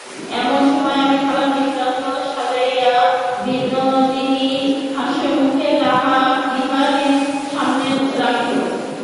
এমন সময় একটি থালায় মিষ্টান্ন সাজাইয়া বিনোদিনী হাস্যমুখে তাহা বিহারীর সম্মুখে রাখিল।